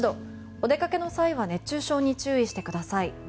お出かけの際は熱中症に注意してください。